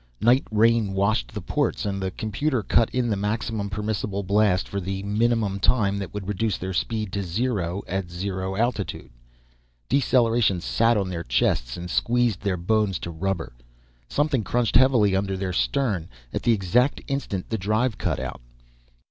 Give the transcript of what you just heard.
Night rain washed the ports and the computer cut in the maximum permissible blast for the minimum time that would reduce their speed to zero at zero altitude. Deceleration sat on their chests and squeezed their bones to rubber. Something crunched heavily under their stern at the exact instant the drive cut out.